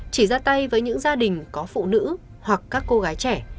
chỉ ra tay với những gia đình có phụ nữ hoặc các cô gái trẻ